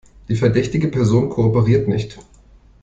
Die verdächtige Person kooperiert nicht.